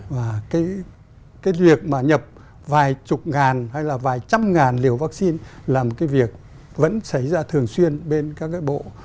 và cái việc mà nhập vài chục ngàn hay là vài trăm ngàn liều vaccine là một cái việc vẫn xảy ra thường xuyên bên các cái bộ